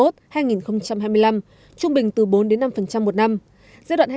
trung bình từ bốn năm một năm